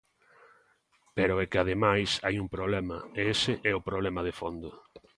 Pero é que ademais hai un problema, e ese é o problema de fondo.